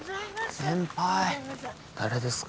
先輩誰ですか？